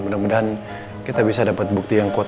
mudah mudahan kita bisa dapat bukti yang kuat